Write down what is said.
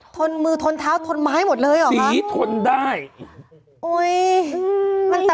ถนมือถนเท้ามือเท้ามายทั้งหมดเลย